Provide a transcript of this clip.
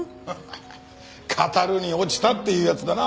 語るに落ちたっていうやつだな。